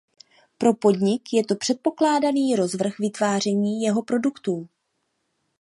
Pro podnik je to předpokládaný rozvrh vytváření jeho produktů.